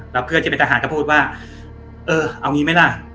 แล้วเครื่องทางไปทหารพูดว่าเออเอางี้ไม่ละ